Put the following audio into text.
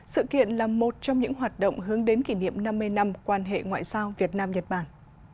sự kiện là một trong những hoạt động hướng đến kỷ niệm năm mươi năm quan hệ ngoại giao việt nam nhật bản